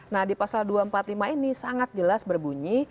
nah di pasal dua ratus empat puluh lima ini sangat jelas berbunyi